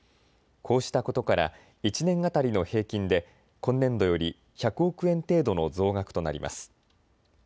こうしたことから１年当たりの平均で今年度より１００億円程度の増額となります。